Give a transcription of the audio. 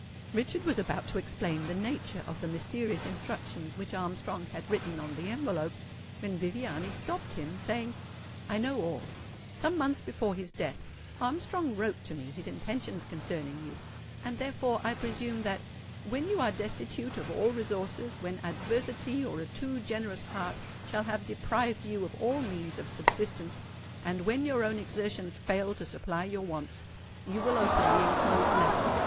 Richard was about to explain the nature of the mysterious instructions which Armstrong had written on the envelope, when Viviani stopped him, saying, "I know all. Some months before his death Armstrong wrote to me his intentions concerning you; and therefore, I presume that '_when you are destitute of all resources—when adversity or a too generous heart shall have deprived you of all means of subsistence—and when your own exertions fail to supply your wants, you will open the enclosed letter.